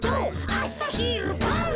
あさひるばん」